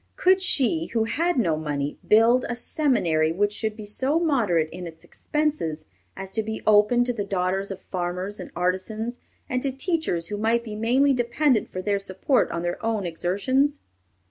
Could she, who had no money, build "a seminary which should be so moderate in its expenses as to be open to the daughters of farmers and artisans, and to teachers who might be mainly dependent for their support on their own exertions"?